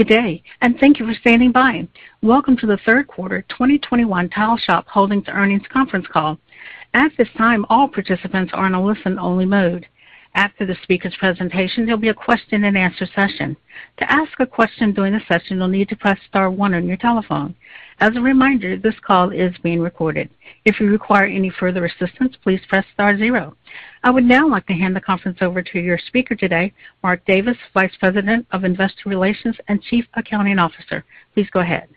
Good day, and thank you for standing by. Welcome to the third quarter 2021 Tile Shop Holdings Earnings Conference Call. At this time, all participants are in a listen-only mode. After the speakers' presentation, there'll be a question-and-answer session. To ask a question during the session, you'll need to press star one on your telephone. As a reminder, this call is being recorded. If you require any further assistance, please press star zero. I would now like to hand the conference over to your speaker today, Mark Davis, Vice President of Investor Relations and Chief Accounting Officer. Please go ahead.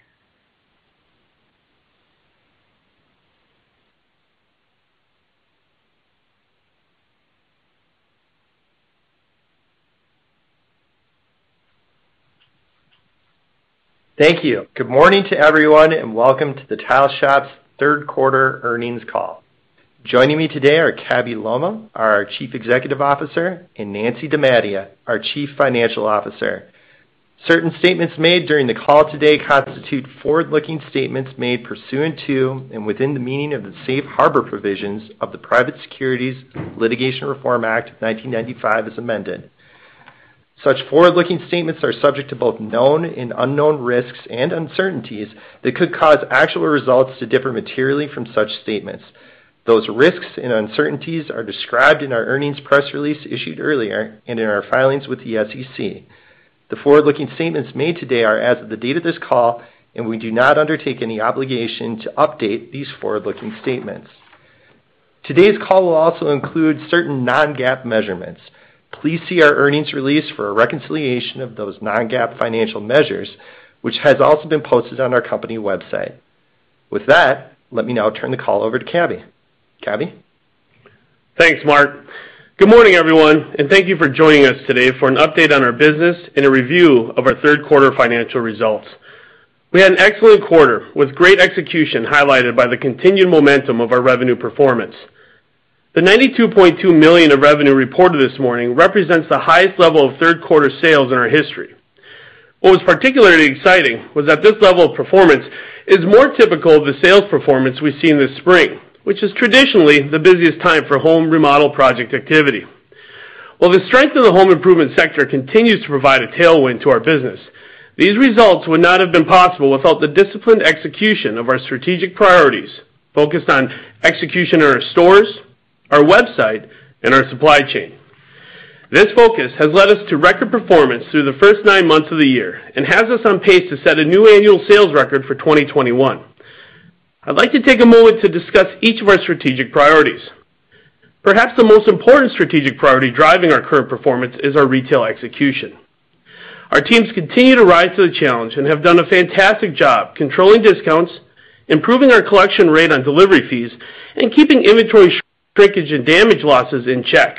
Thank you. Good morning to everyone, and welcome to the Tile Shop's third quarter earnings call. Joining me today are Cabby Lolmaugh, our Chief Executive Officer, and Nancy DiMattia, our Chief Financial Officer. Certain statements made during the call today constitute forward-looking statements made pursuant to and within the meaning of the Safe Harbor provisions of the Private Securities Litigation Reform Act of 1995 as amended. Such forward-looking statements are subject to both known and unknown risks and uncertainties that could cause actual results to differ materially from such statements. Those risks and uncertainties are described in our earnings press release issued earlier and in our filings with the SEC. The forward-looking statements made today are as of the date of this call, and we do not undertake any obligation to update these forward-looking statements. Today's call will also include certain non-GAAP measurements. Please see our earnings release for a reconciliation of those non-GAAP financial measures, which has also been posted on our company website. With that, let me now turn the call over to Cabby. Cabby? Thanks, Mark. Good morning, everyone, and thank you for joining us today for an update on our business and a review of our third quarter financial results. We had an excellent quarter with great execution highlighted by the continued momentum of our revenue performance. The $92.2 million of revenue reported this morning represents the highest level of third quarter sales in our history. What was particularly exciting was that this level of performance is more typical of the sales performance we've seen this spring, which is traditionally the busiest time for home remodel project activity. While the strength of the home improvement sector continues to provide a tailwind to our business, these results would not have been possible without the disciplined execution of our strategic priorities focused on execution in our stores, our website, and our supply chain. This focus has led us to record performance through the first nine months of the year and has us on pace to set a new annual sales record for 2021. I'd like to take a moment to discuss each of our strategic priorities. Perhaps the most important strategic priority driving our current performance is our retail execution. Our teams continue to rise to the challenge and have done a fantastic job controlling discounts, improving our collection rate on delivery fees, and keeping inventory breakage and damage losses in check.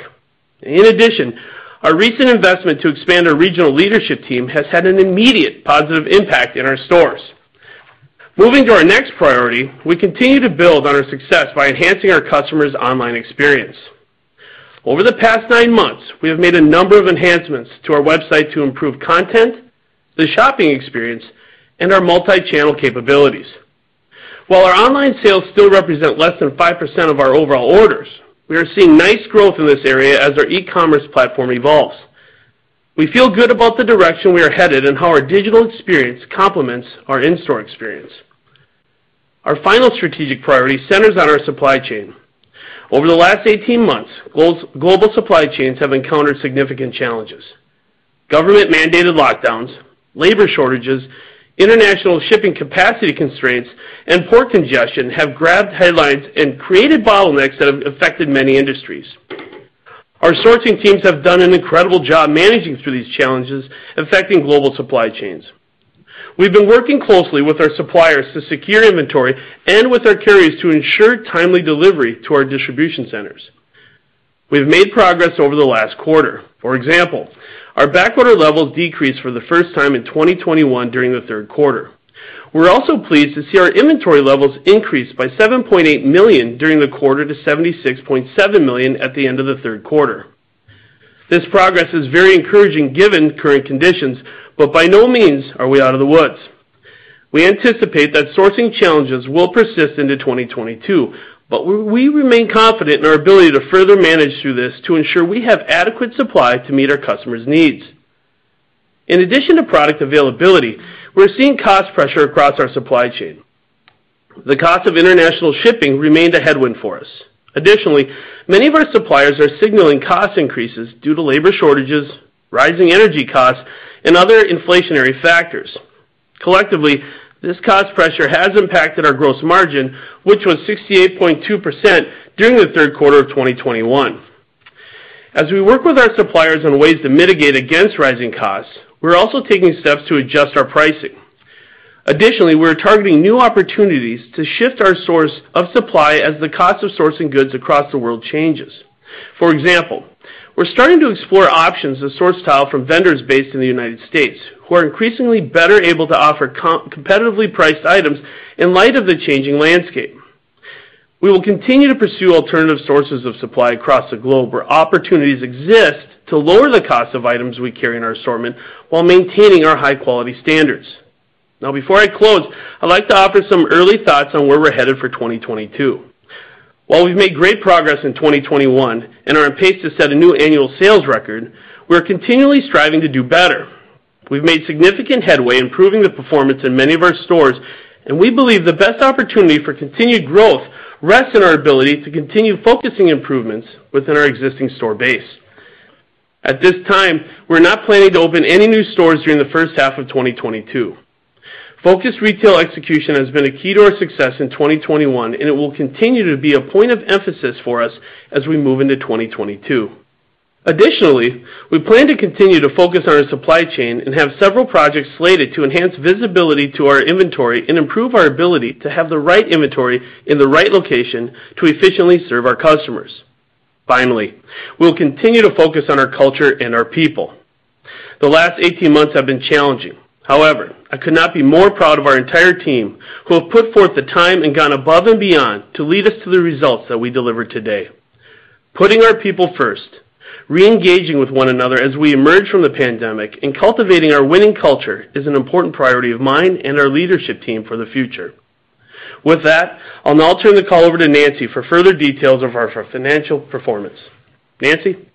In addition, our recent investment to expand our regional leadership team has had an immediate positive impact in our stores. Moving to our next priority, we continue to build on our success by enhancing our customers' online experience. Over the past nine months, we have made a number of enhancements to our website to improve content, the shopping experience, and our multi-channel capabilities. While our online sales still represent less than 5% of our overall orders, we are seeing nice growth in this area as our e-commerce platform evolves. We feel good about the direction we are headed and how our digital experience complements our in-store experience. Our final strategic priority centers on our supply chain. Over the last 18 months, global supply chains have encountered significant challenges. Government-mandated lockdowns, labor shortages, international shipping capacity constraints, and port congestion have grabbed headlines and created bottlenecks that have affected many industries. Our sourcing teams have done an incredible job managing through these challenges affecting global supply chains. We've been working closely with our suppliers to secure inventory and with our carriers to ensure timely delivery to our distribution centers. We've made progress over the last quarter. For example, our backorder levels decreased for the first time in 2021 during the third quarter. We're also pleased to see our inventory levels increase by $7.8 million during the quarter to $76.7 million at the end of the third quarter. This progress is very encouraging given current conditions, but by no means are we out of the woods. We anticipate that sourcing challenges will persist into 2022, but we remain confident in our ability to further manage through this to ensure we have adequate supply to meet our customers' needs. In addition to product availability, we're seeing cost pressure across our supply chain. The cost of international shipping remained a headwind for us. Additionally, many of our suppliers are signaling cost increases due to labor shortages, rising energy costs, and other inflationary factors. Collectively, this cost pressure has impacted our gross margin, which was 68.2% during the third quarter of 2021. As we work with our suppliers on ways to mitigate against rising costs, we're also taking steps to adjust our pricing. Additionally, we're targeting new opportunities to shift our source of supply as the cost of sourcing goods across the world changes. For example, we're starting to explore options to source tile from vendors based in the United States, who are increasingly better able to offer competitively priced items in light of the changing landscape. We will continue to pursue alternative sources of supply across the globe where opportunities exist to lower the cost of items we carry in our assortment while maintaining our high-quality standards. Now before I close, I'd like to offer some early thoughts on where we're headed for 2022. While we've made great progress in 2021 and are on pace to set a new annual sales record, we're continually striving to do better. We've made significant headway improving the performance in many of our stores, and we believe the best opportunity for continued growth rests in our ability to continue focusing improvements within our existing store base. At this time, we're not planning to open any new stores during the first half of 2022. Focused retail execution has been a key to our success in 2021, and it will continue to be a point of emphasis for us as we move into 2022. Additionally, we plan to continue to focus on our supply chain and have several projects slated to enhance visibility to our inventory and improve our ability to have the right inventory in the right location to efficiently serve our customers. Finally, we'll continue to focus on our culture and our people. The last 18 months have been challenging. However, I could not be more proud of our entire team who have put forth the time and gone above and beyond to lead us to the results that we delivered today. Putting our people first, re-engaging with one another as we emerge from the pandemic, and cultivating our winning culture is an important priority of mine and our leadership team for the future. With that, I'll now turn the call over to Nancy for further details of our financial performance. Nancy?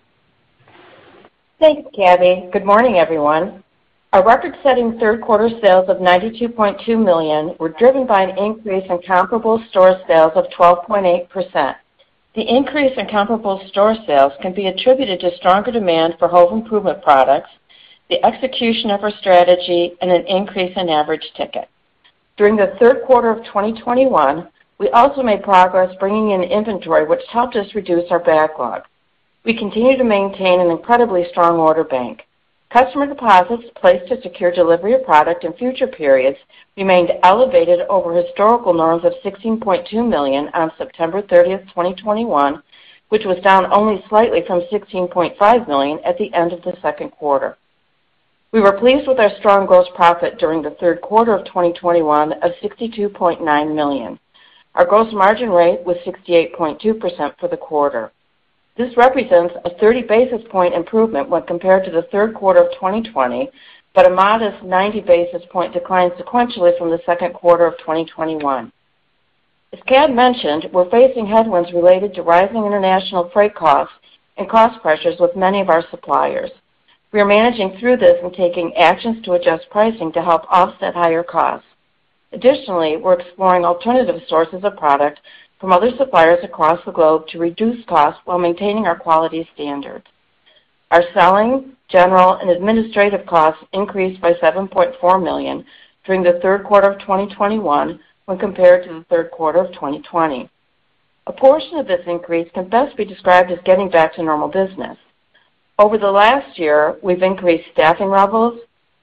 Thanks, Cabby. Good morning, everyone. Our record-setting third quarter sales of $92.2 million were driven by an increase in comparable store sales of 12.8%. The increase in comparable store sales can be attributed to stronger demand for home improvement products, the execution of our strategy, and an increase in average ticket. During the third quarter of 2021, we also made progress bringing in inventory, which helped us reduce our backlog. We continue to maintain an incredibly strong order bank. Customer deposits placed to secure delivery of product in future periods remained elevated over historical norms of $16.2 million on September 30, 2021, which was down only slightly from $16.5 million at the end of the second quarter. We were pleased with our strong gross profit during the third quarter of 2021 of $62.9 million. Our gross margin rate was 68.2% for the quarter. This represents a 30 basis point improvement when compared to the third quarter of 2020, but a modest 90 basis point decline sequentially from the second quarter of 2021. As Cab mentioned, we're facing headwinds related to rising international freight costs and cost pressures with many of our suppliers. We are managing through this and taking actions to adjust pricing to help offset higher costs. Additionally, we're exploring alternative sources of product from other suppliers across the globe to reduce costs while maintaining our quality standard. Our selling, general, and administrative costs increased by $7.4 million during the third quarter of 2021 when compared to the third quarter of 2020. A portion of this increase can best be described as getting back to normal business. Over the last year, we've increased staffing levels,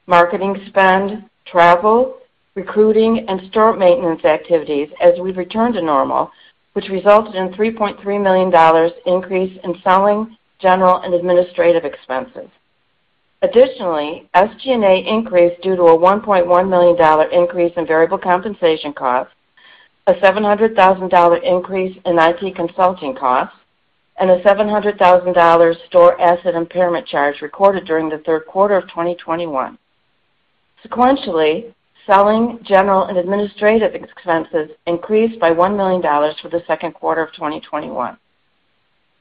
marketing spend, travel, recruiting, and store maintenance activities as we've returned to normal, which resulted in $3.3 million increase in selling, general, and administrative expenses. Additionally, SG&A increased due to a $1.1 million increase in variable compensation costs, a $700,000 increase in IT consulting costs, and a $700,000 store asset impairment charge recorded during the third quarter of 2021. Sequentially, selling, general, and administrative expenses increased by $1 million for the second quarter of 2021.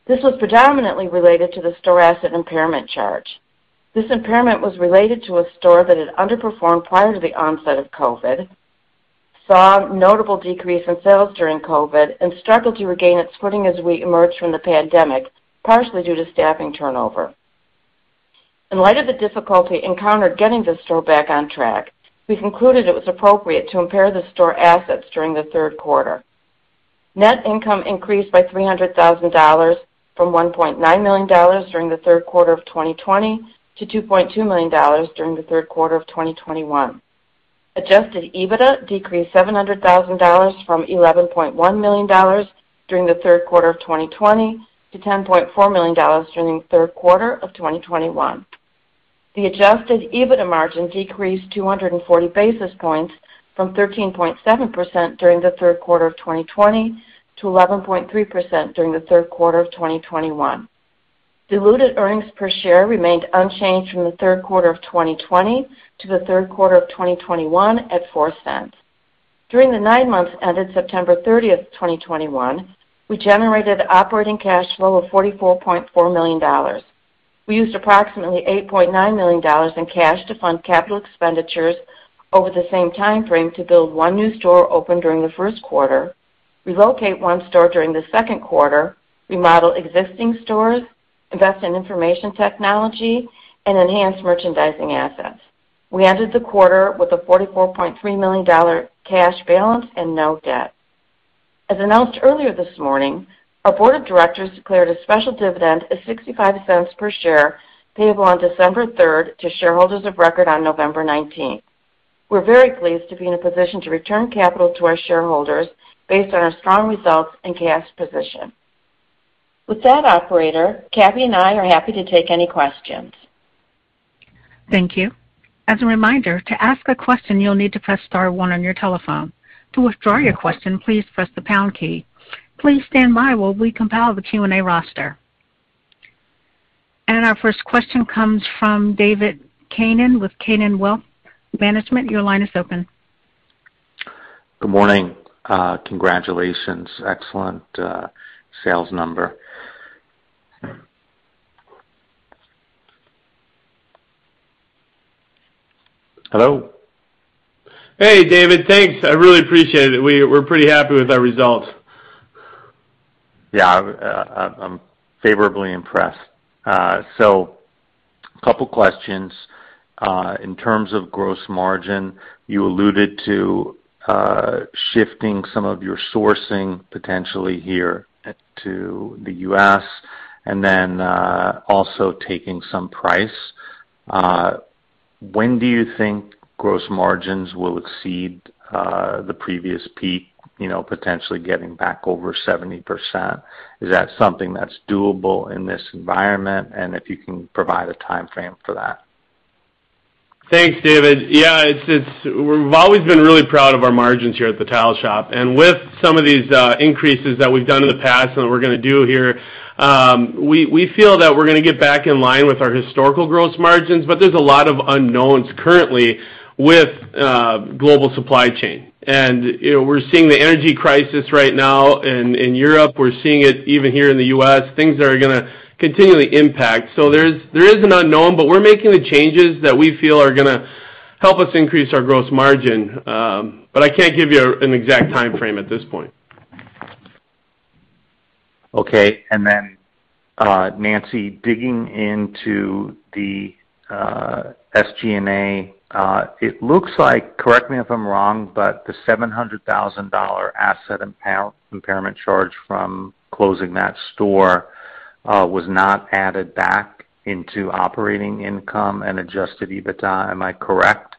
This was predominantly related to the store asset impairment charge. This impairment was related to a store that had underperformed prior to the onset of COVID, saw a notable decrease in sales during COVID, and struggled to regain its footing as we emerged from the pandemic, partially due to staffing turnover. In light of the difficulty encountered getting the store back on track, we concluded it was appropriate to impair the store assets during the third quarter. Net income increased by $300,000 from $1.9 million during the third quarter of 2020 to $2.2 million during the third quarter of 2021. Adjusted EBITDA decreased $700,000 from $11.1 million during the third quarter of 2020 to $10.4 million during the third quarter of 2021. The adjusted EBITDA margin decreased 240 basis points from 13.7% during the third quarter of 2020 to 11.3% during the third quarter of 2021. Diluted earnings per share remained unchanged from the third quarter of 2020 to the third quarter of 2021 at $0.04. During the nine months ended September 30, 2021, we generated operating cash flow of $44.4 million. We used approximately $8.9 million in cash to fund capital expenditures over the same time frame to build one new store open during the first quarter, relocate one store during the second quarter, remodel existing stores, invest in information technology, and enhance merchandising assets. We ended the quarter with a $44.3 million cash balance and no debt. As announced earlier this morning, our board of directors declared a special dividend of $0.65 per share, payable on December 3rd to shareholders of record on November 19th. We're very pleased to be in a position to return capital to our shareholders based on our strong results and cash position. With that, operator, Cabby and I are happy to take any questions. Thank you. Our first question comes from David Kanen with Kanen Wealth Management. Your line is open. Good morning. Congratulations. Excellent sales number. Hello? Hey, David. Thanks. I really appreciate it. We're pretty happy with our results. Yeah. I'm favorably impressed. Couple questions. In terms of gross margin, you alluded to shifting some of your sourcing potentially here to the U.S. and then also taking some price. When do you think gross margins will exceed the previous peak, you know, potentially getting back over 70%? Is that something that's doable in this environment? And if you can provide a timeframe for that. Thanks, David. Yeah, it's we've always been really proud of our margins here at The Tile Shop. With some of these increases that we've done in the past and that we're gonna do here, we feel that we're gonna get back in line with our historical gross margins, but there's a lot of unknowns currently with global supply chain. You know, we're seeing the energy crisis right now in Europe. We're seeing it even here in the U.S. Things are gonna continually impact. There is an unknown, but we're making the changes that we feel are gonna help us increase our gross margin. But I can't give you an exact timeframe at this point. Okay. Nancy, digging into the SG&A, it looks like, correct me if I'm wrong, but the $700,000 asset impairment charge from closing that store was not added back into operating income and adjusted EBITDA. Am I correct?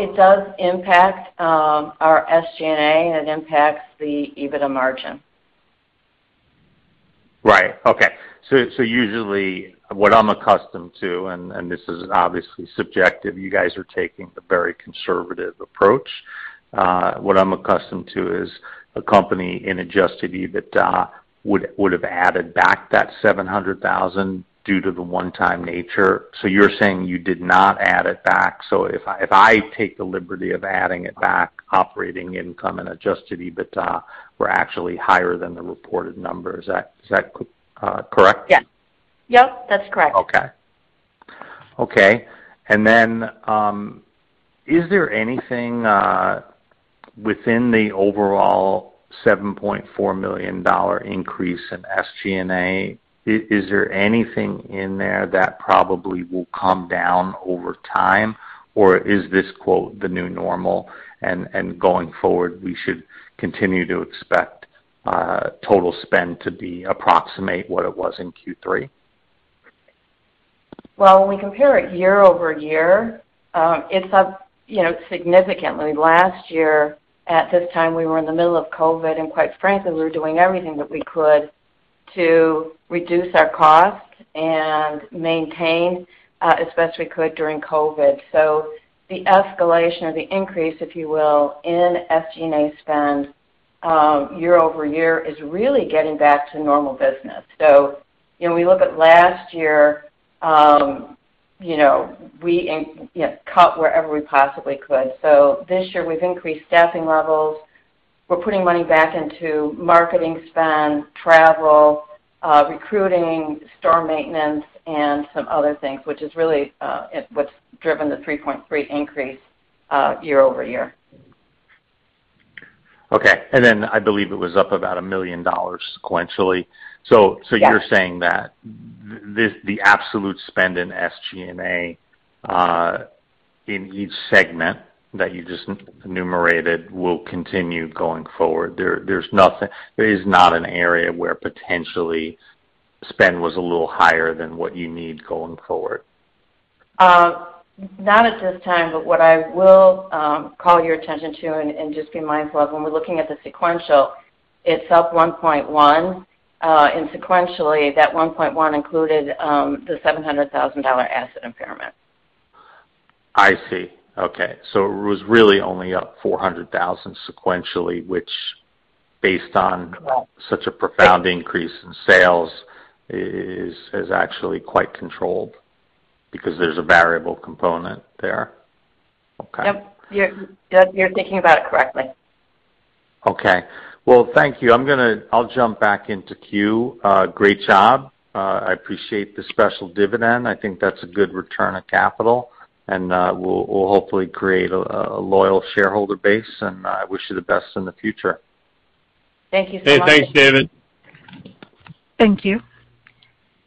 It does impact our SG&A, and it impacts the EBITDA margin. Right. Okay. Usually what I'm accustomed to, and this is obviously subjective, you guys are taking the very conservative approach. What I'm accustomed to is a company in adjusted EBITDA would have added back that $700,000 due to the one-time nature. You're saying you did not add it back. If I take the liberty of adding it back, operating income and adjusted EBITDA were actually higher than the reported number. Is that correct? Yeah. Yep, that's correct. Okay. Is there anything within the overall $7.4 million increase in SG&A that probably will come down over time, or is this, quote, the new normal, and going forward, we should continue to expect total spend to be approximately what it was in Q3? Well, when we compare it year-over-year, it's up, you know, significantly. Last year, at this time, we were in the middle of COVID, and quite frankly, we were doing everything that we could to reduce our costs and maintain, as best we could during COVID. The escalation or the increase, if you will, in SG&A spend, year-over-year is really getting back to normal business. You know, we look at last year, you know, cut wherever we possibly could. This year we've increased staffing levels. We're putting money back into marketing spend, travel, recruiting, store maintenance, and some other things, which is really what's driven the 3.3% increase, year-over-year. Okay. I believe it was up about $1 million sequentially. Yeah. You're saying that the absolute spend in SG&A in each segment that you just enumerated will continue going forward. There's nothing. There is not an area where potentially spend was a little higher than what you need going forward. Not at this time, but what I will call your attention to and just be mindful of when we're looking at the sequential, it's up 1.1%, and sequentially, that 1.1% included the $700,000 asset impairment. I see. Okay. It was really only up $400,000 sequentially, which based on such a profound increase in sales is actually quite controlled because there's a variable component there. Okay. Yep. You're thinking about it correctly. Okay. Well, thank you. I'll jump back into queue. Great job. I appreciate the special dividend. I think that's a good return of capital and will hopefully create a loyal shareholder base, and I wish you the best in the future. Thank you so much. Hey, thanks, David. Thank you.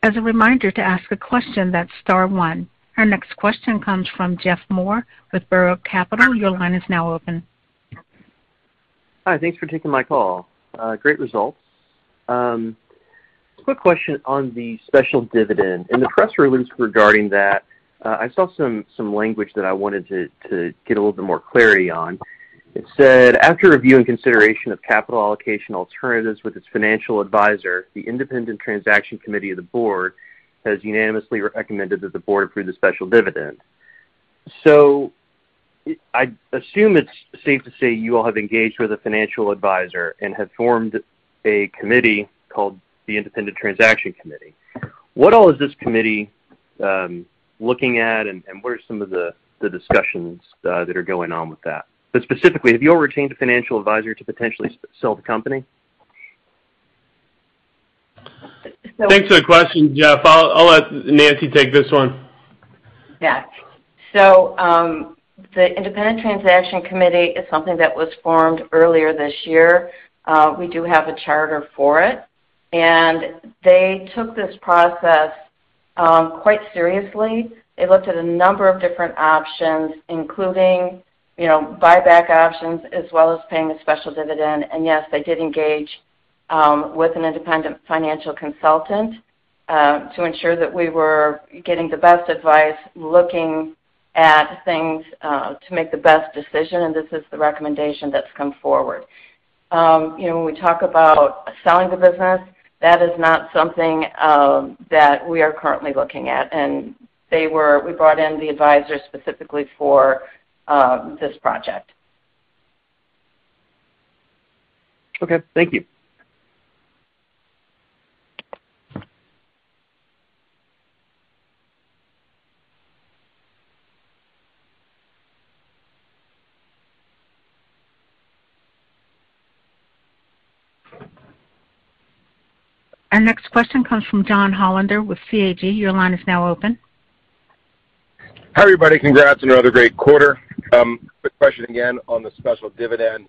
As a reminder to ask a question, that's star one. Our next question comes from Jeff Moore with Borough Capital. Your line is now open. Hi. Thanks for taking my call. Great results. Quick question on the special dividend. In the press release regarding that, I saw some language that I wanted to get a little bit more clarity on. It said, "After review and consideration of capital allocation alternatives with its financial advisor, the Independent Transaction Committee of the board has unanimously recommended that the board approve the special dividend. I assume it's safe to say you all have engaged with a financial advisor and have formed a committee called the Independent Transaction Committee. What all is this committee looking at, and what are some of the discussions that are going on with that? Specifically, have you all retained a financial advisor to potentially sell the company? Thanks for the question, Jeff. I'll let Nancy take this one. Yeah. The Independent Transaction Committee is something that was formed earlier this year. We do have a charter for it, and they took this process quite seriously. They looked at a number of different options, including, you know, buyback options as well as paying a special dividend. Yes, they did engage with an independent financial consultant to ensure that we were getting the best advice, looking at things to make the best decision, and this is the recommendation that's come forward. You know, when we talk about selling the business, that is not something that we are currently looking at. We brought in the advisor specifically for this project. Okay, thank you. Our next question comes from Don Hollander with CAG. Your line is now open. Hi, everybody. Congrats on another great quarter. Quick question again on the special dividend.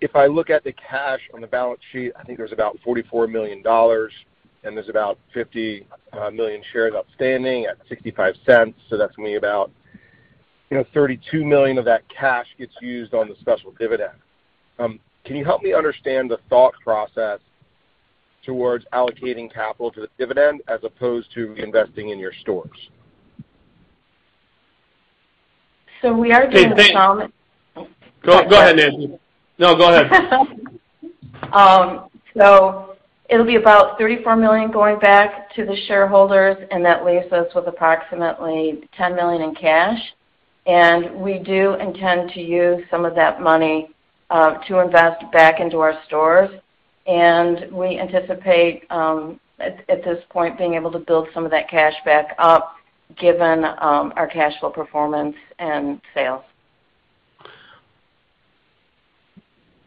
If I look at the cash on the balance sheet, I think there's about $44 million, and there's about 50 million shares outstanding at $0.65, so that's maybe about, you know, $32 million of that cash gets used on the special dividend. Can you help me understand the thought process towards allocating capital to the dividend as opposed to investing in your stores? So we are doing about- Go ahead, Nancy. No, go ahead. It'll be about $34 million going back to the shareholders, and that leaves us with approximately $10 million in cash. We do intend to use some of that money to invest back into our stores. We anticipate at this point being able to build some of that cash back up given our cash flow performance and sales.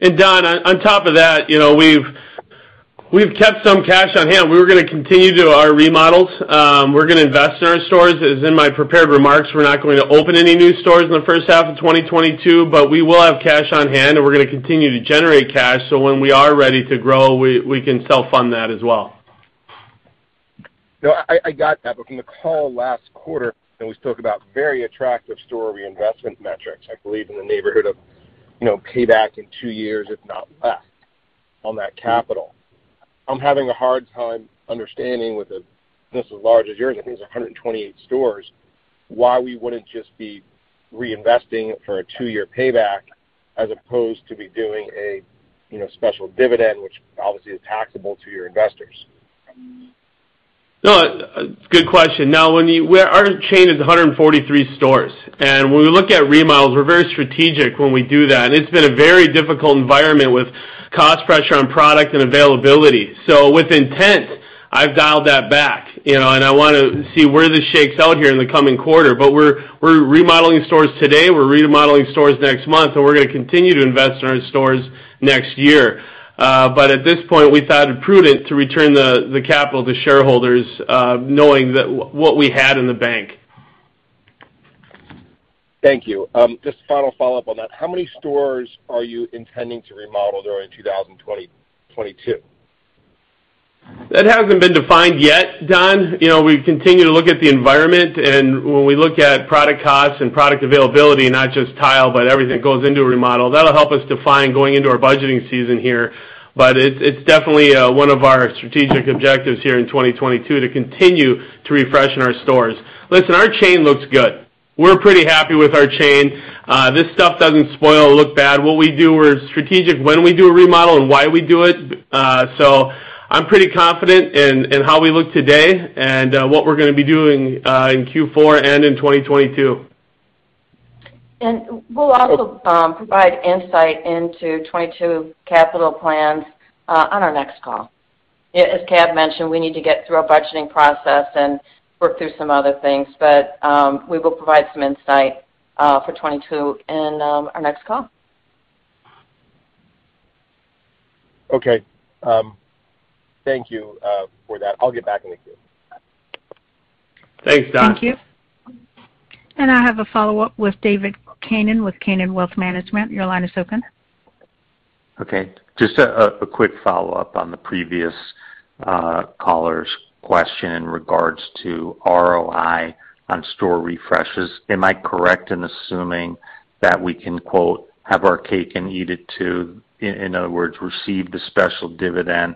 Don, on top of that, you know, we've kept some cash on hand. We were gonna continue to do our remodels. We're gonna invest in our stores. As in my prepared remarks, we're not going to open any new stores in the first half of 2022, but we will have cash on hand, and we're gonna continue to generate cash, so when we are ready to grow, we can self-fund that as well. No, I got that. From the call last quarter, and we spoke about very attractive store reinvestment metrics, I believe in the neighborhood of, you know, payback in two years, if not less, on that capital. I'm having a hard time understanding with a business as large as yours, I think it's 128 stores, why we wouldn't just be reinvesting for a two-year payback as opposed to be doing a, you know, special dividend, which obviously is taxable to your investors. No, good question. Now, where our chain is 143 stores, and when we look at remodels, we're very strategic when we do that. It's been a very difficult environment with cost pressure on product and availability. With intent, I've dialed that back, you know, and I wanna see where this shakes out here in the coming quarter. We're remodeling stores today, we're remodeling stores next month, and we're gonna continue to invest in our stores next year. At this point, we thought it prudent to return the capital to shareholders, knowing that what we had in the bank. Thank you. Just final follow-up on that. How many stores are you intending to remodel during 2022? That hasn't been defined yet, Don. You know, we continue to look at the environment, and when we look at product costs and product availability, not just tile, but everything that goes into a remodel, that'll help us define going into our budgeting season here. It's definitely one of our strategic objectives here in 2022 to continue to refreshen our stores. Listen, our chain looks good. We're pretty happy with our chain. This stuff doesn't spoil or look bad. What we do, we're strategic when we do a remodel and why we do it. I'm pretty confident in how we look today and what we're gonna be doing in Q4 and in 2022. We'll also provide insight into 2022 capital plans on our next call. As Cab mentioned, we need to get through our budgeting process and work through some other things. We will provide some insight for 2022 in our next call. Okay. Thank you for that. I'll get back in the queue. Thanks, Don. Thank you. I have a follow-up with David Kanen with Kanen Wealth Management. Your line is open. Okay. Just a quick follow-up on the previous caller's question in regard to ROI on store refreshes. Am I correct in assuming that we can, quote, have our cake and eat it too? In other words, receive the special dividend,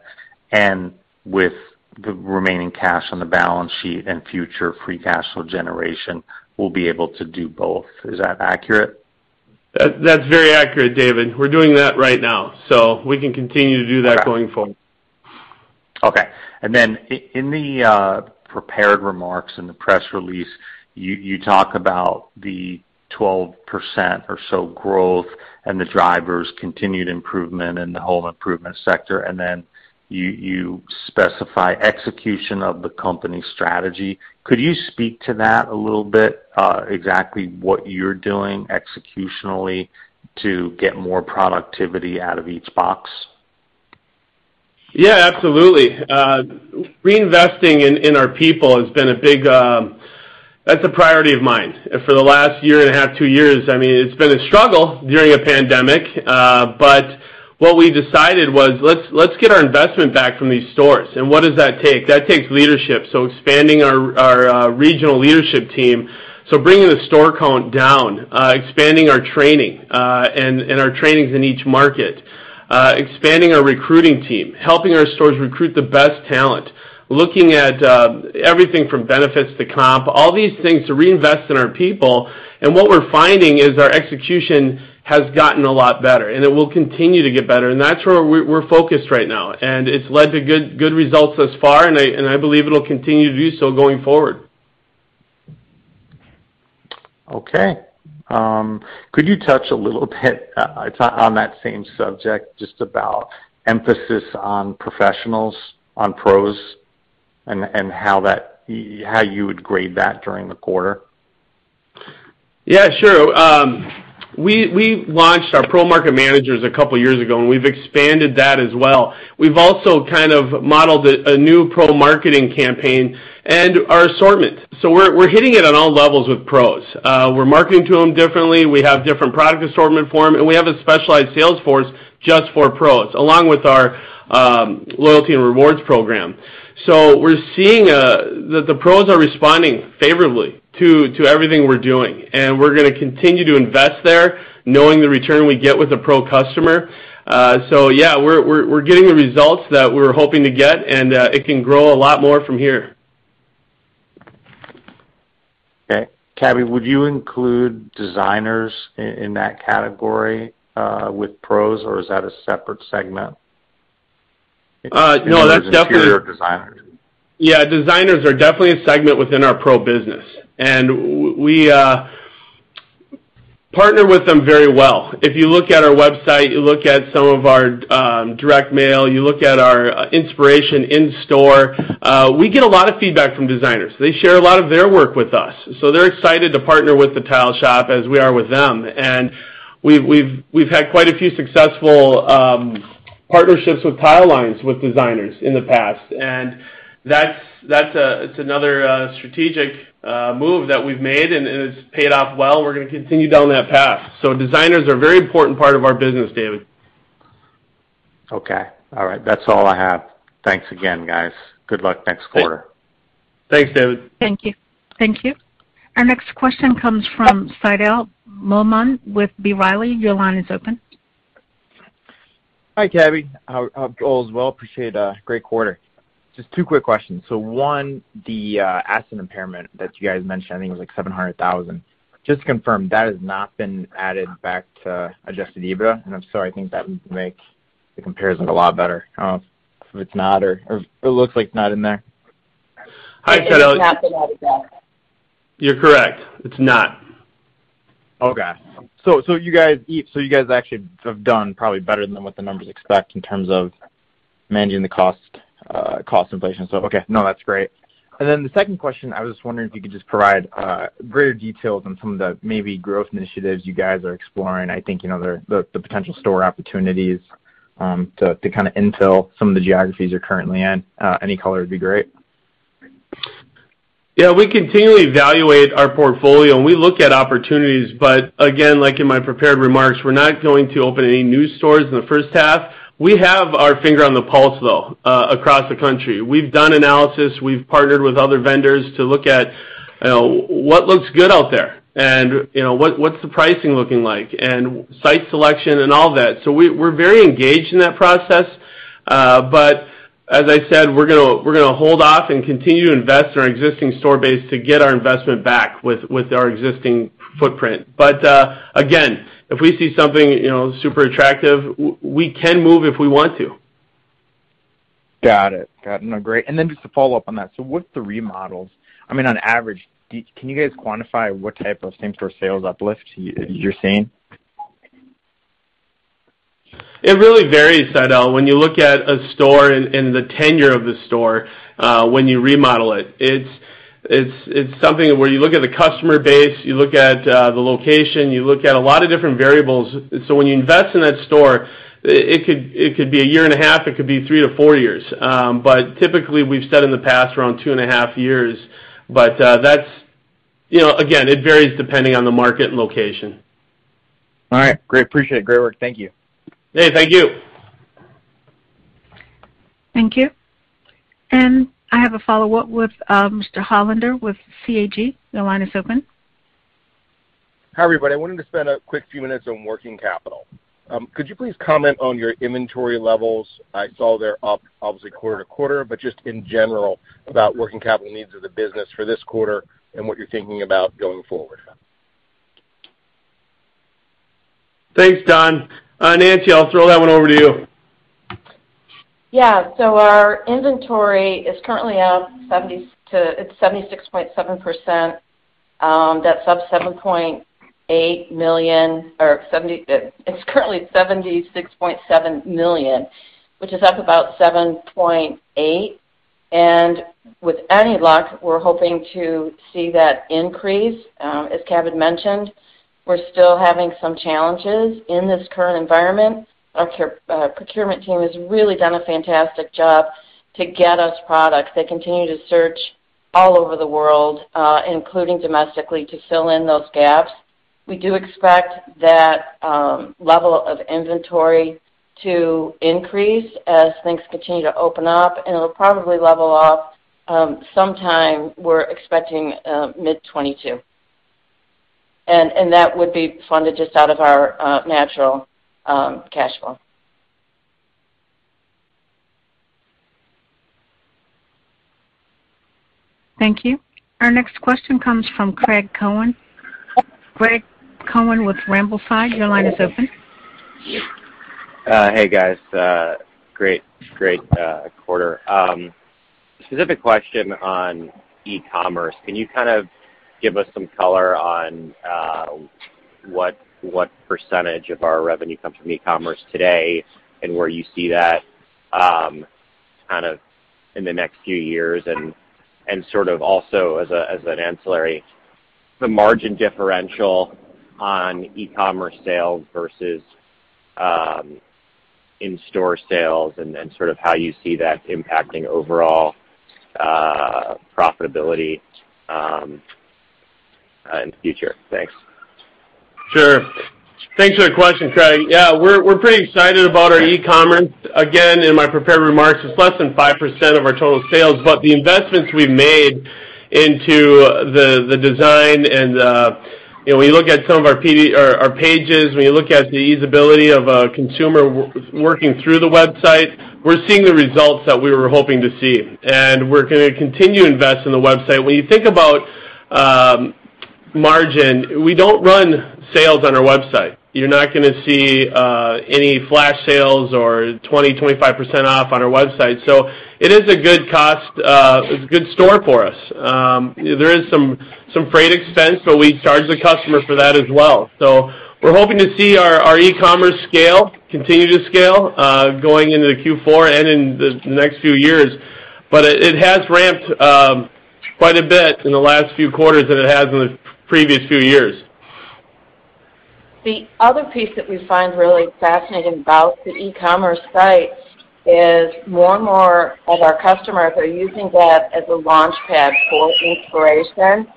and with the remaining cash on the balance sheet and future free cash flow generation, we'll be able to do both. Is that accurate? That's very accurate, David. We're doing that right now, so we can continue to do that going forward. Okay. In the prepared remarks in the press release, you talk about the 12% or so growth and the drivers continued improvement in the home improvement sector, and then you specify execution of the company strategy. Could you speak to that a little bit, exactly what you're doing executionally to get more productivity out of each box? Yeah, absolutely. Reinvesting in our people has been a big. That's a priority of mine. For the last year and a half, two years, I mean, it's been a struggle during a pandemic, but what we decided was let's get our investment back from these stores. What does that take? That takes leadership, so expanding our regional leadership team. Bringing the store count down, expanding our training, and our trainings in each market, expanding our recruiting team, helping our stores recruit the best talent, looking at everything from benefits to comp, all these things to reinvest in our people. What we're finding is our execution has gotten a lot better, and it will continue to get better. That's where we're focused right now, and it's led to good results thus far, and I believe it'll continue to do so going forward. Okay. Could you touch a little bit on that same subject, just about emphasis on professionals, on pros and how that you would grade that during the quarter? Yeah, sure. We launched our pro market managers a couple years ago, and we've expanded that as well. We've also kind of modeled a new pro-marketing campaign and our assortment. We're hitting it on all levels with pros. We're marketing to them differently, we have different product assortment for them, and we have a specialized sales force just for pros, along with our loyalty and rewards program. We're seeing that the pros are responding favorably to everything we're doing, and we're gonna continue to invest there knowing the return we get with the pro customer. Yeah, we're getting the results that we were hoping to get, and it can grow a lot more from here. Okay. Cabby, would you include designers in that category with pros, or is that a separate segment? No, that's definitely. Interior designers. Yeah, designers are definitely a segment within our pro business, and we partner with them very well. If you look at our website, you look at some of our direct mail, you look at our inspiration in store, we get a lot of feedback from designers. They share a lot of their work with us, so they're excited to partner with The Tile Shop as we are with them. We've had quite a few successful partnerships with tile lines with designers in the past. That's another strategic move that we've made, and it's paid off well. We're gonna continue down that path. Designers are a very important part of our business, David. Okay. All right. That's all I have. Thanks again, guys. Good luck next quarter. Thanks, David. Thank you. Thank you. Our next question comes from Seidl Momon with B. Riley. Your line is open. Hi, Cabby. Hope all is well. Appreciate a great quarter. Just two quick questions. One, the asset impairment that you guys mentioned, I think it was like $700,000. Just to confirm, that has not been added back to adjusted EBITDA. I'm sorry, I think that would make the comparison a lot better. I don't know if it's not or it looks like not in there. Hi, Seidl. It's not in there, exactly. You're correct. It's not. Okay. You guys actually have done probably better than what the numbers expect in terms of managing the cost inflation. Okay. No, that's great. The second question, I was just wondering if you could just provide greater details on some of the maybe growth initiatives you guys are exploring. I think, you know, the potential store opportunities, to kind of infill some of the geographies you're currently in. Any color would be great. Yeah, we continually evaluate our portfolio, and we look at opportunities, but again, like in my prepared remarks, we're not going to open any new stores in the first half. We have our finger on the pulse, though, across the country. We've done analysis, we've partnered with other vendors to look at what looks good out there and, you know, what's the pricing looking like and site selection and all that. We're very engaged in that process. As I said, we're gonna hold off and continue to invest in our existing store base to get our investment back with our existing footprint. Again, if we see something, you know, super attractive, we can move if we want to. Got it. No, great. Just to follow up on that, with the remodels, I mean, on average, can you guys quantify what type of same-store sales uplift you're seeing? It really varies, Seidl. When you look at a store and the tenure of the store, when you remodel it's something where you look at the customer base, you look at the location, you look at a lot of different variables. When you invest in that store, it could be a year and a half, it could be three to four years. Typically, we've said in the past, around two and a half years. That's, you know, again, it varies depending on the market and location. All right. Great. Appreciate it. Great work. Thank you. Hey, thank you. Thank you. I have a follow-up with Mr. Hollander with CAG. Your line is open. Hi, everybody. I wanted to spend a quick few minutes on working capital. Could you please comment on your inventory levels? I saw they're up obviously quarter-to-quarter, but just in general about working capital needs of the business for this quarter and what you're thinking about going forward. Thanks, Don. Nancy, I'll throw that one over to you. Our inventory is currently up 76.7%. That's up $7.8 million. It's currently $76.7 million, which is up about $7.8. With any luck, we're hoping to see that increase. As Cabby mentioned, we're still having some challenges in this current environment. Our procurement team has really done a fantastic job to get us products. They continue to search all over the world, including domestically, to fill in those gaps. We do expect that level of inventory to increase as things continue to open up, and it'll probably level off sometime we're expecting mid 2022. That would be funded just out of our natural cash flow. Thank you. Our next question comes from Craig Cohen. Craig Cohen with Rambus, your line is open. Hey, guys. Great quarter. Specific question on e-commerce. Can you kind of give us some color on what percentage of our revenue comes from e-commerce today and where you see that kind of in the next few years? Sort of also as an ancillary, the margin differential on e-commerce sales versus in-store sales and then sort of how you see that impacting overall profitability in the future? Thanks. Sure. Thanks for the question, Craig. Yeah, we're pretty excited about our e-commerce. Again, in my prepared remarks, it's less than 5% of our total sales, but the investments we've made into the design and you know, when you look at some of our PD or our pages, when you look at the usability of a consumer working through the website, we're seeing the results that we were hoping to see. We're gonna continue to invest in the website. When you think about margin, we don't run sales on our website. You're not gonna see any flash sales or 25% off on our website. So it is a good source for us. There is some freight expense, but we charge the customer for that as well. We're hoping to see our e-commerce scale continue to scale going into the Q4 and in the next few years. It has ramped quite a bit in the last few quarters than it has in the previous few years. The other piece that we find really fascinating about the e-commerce site is more and more of our customers are using that as a launch pad for inspiration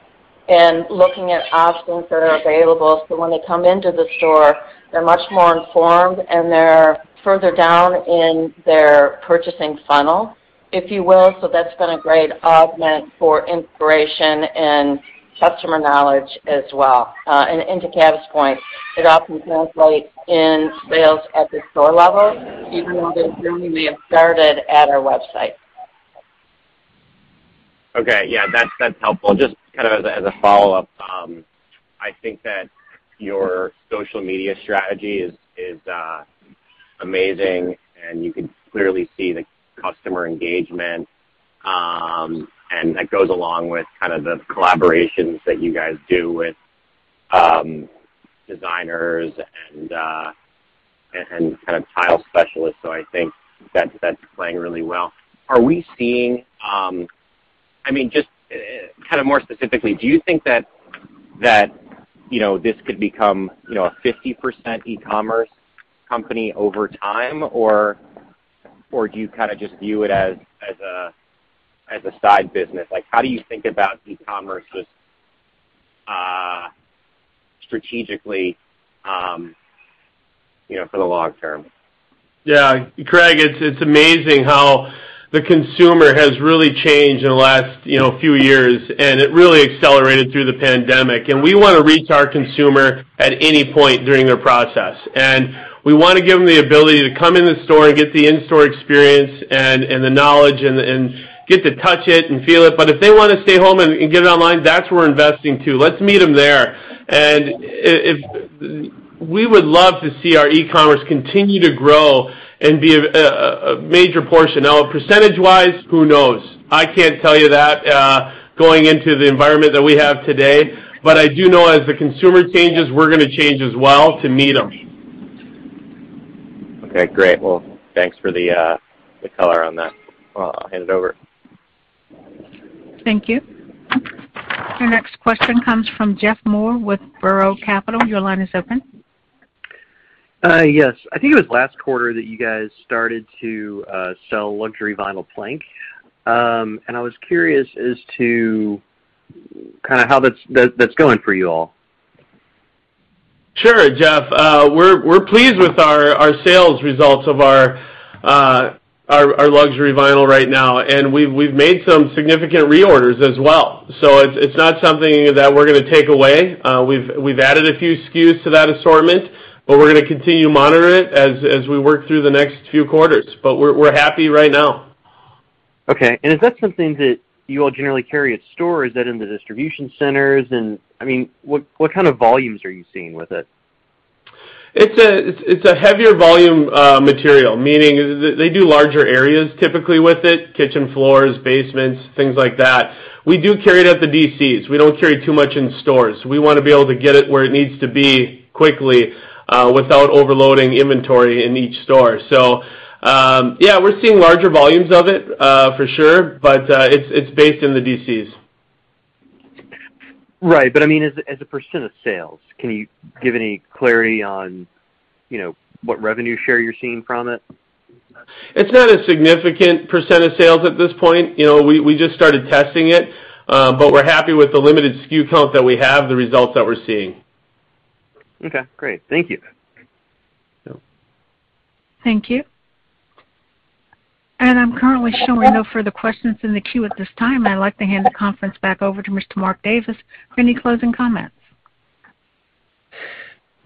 and looking at options that are available. So when they come into the store, they're much more informed, and they're further down in their purchasing funnel, if you will. So that's been a great augment for inspiration and customer knowledge as well. And onto Cabby's point, it often translates in sales at the store level, even though the journey may have started at our website. Okay. Yeah. That's helpful. Just kind of as a follow-up, I think that your social media strategy is amazing, and you can clearly see the customer engagement. That goes along with kind of the collaborations that you guys do with designers and kind of tile specialists. I think that's playing really well. I mean, just kind of more specifically, do you think that you know, this could become, you know, a 50% e-commerce company over time, or do you kinda just view it as a side business? Like, how do you think about e-commerce as strategically, you know, for the long term? Yeah. Craig, it's amazing how the consumer has really changed in the last, you know, few years, and it really accelerated through the pandemic. We wanna reach our consumer at any point during their process. We wanna give them the ability to come in the store and get the in-store experience and the knowledge and get to touch it and feel it. If they wanna stay home and get it online, that's where we're investing, too. Let's meet them there. If we would love to see our e-commerce continue to grow and be a major portion. Now, percentage-wise, who knows? I can't tell you that, going into the environment that we have today. I do know as the consumer changes, we're gonna change as well to meet them. Okay, great. Well, thanks for the color on that. Well, I'll hand it over. Thank you. Your next question comes from Jeff Moore with Borough Capital. Your line is open. Yes. I think it was last quarter that you guys started to sell luxury vinyl plank. I was curious as to kinda how that's going for you all. Sure, Jeff. We're pleased with our sales results of our luxury vinyl right now, and we've made some significant reorders as well. It's not something that we're gonna take away. We've added a few SKUs to that assortment, but we're gonna continue to monitor it as we work through the next few quarters. We're happy right now. Okay. Is that something that you all generally carry at store? Is that in the distribution centers? I mean, what kind of volumes are you seeing with it? It's a heavier volume material, meaning they do larger areas typically with it, kitchen floors, basements, things like that. We do carry it at the DCs. We don't carry too much in stores. We wanna be able to get it where it needs to be quickly, without overloading inventory in each store. Yeah, we're seeing larger volumes of it for sure, but it's based in the DCs. Right. I mean as a percent of sales, can you give any clarity on, you know, what revenue share you're seeing from it? It's not a significant percent of sales at this point. You know, we just started testing it, but we're happy with the limited SKU count that we have, the results that we're seeing. Okay, great. Thank you. Yep. Thank you. I'm currently showing no further questions in the queue at this time. I'd like to hand the conference back over to Mr. Mark Davis for any closing comments.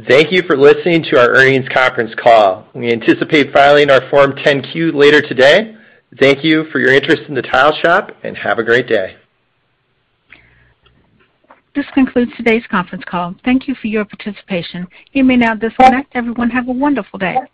Thank you for listening to our earnings conference call. We anticipate filing our Form 10-Q later today. Thank you for your interest in The Tile Shop, and have a great day. This concludes today's conference call. Thank you for your participation. You may now disconnect. Everyone, have a wonderful day.